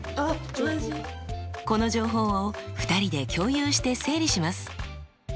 この情報を２人で共有して整理します。